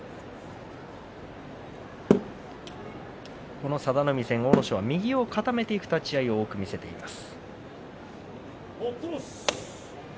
この佐田の海戦、阿武咲は右を固めていく立ち合いを多く見せています。